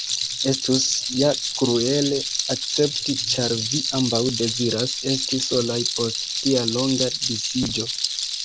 Estus ja kruele akcepti, ĉar vi ambaŭ deziras esti solaj post tia longa disiĝo.